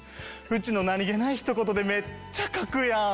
うちの何げないひと言でめっちゃ書くやん！